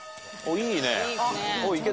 いいね。